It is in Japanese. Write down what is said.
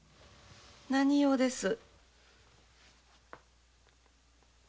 何用です。